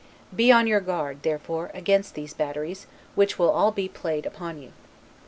Be upon your guard, therefore, against these batteries, which will all be played upon you.